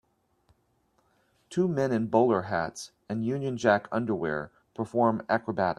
Two men in bowler hats and Union Jack underwear perform acrobatics.